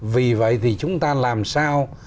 vì vậy thì chúng ta làm sao